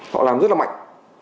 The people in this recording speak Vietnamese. họ làm rất là mạnh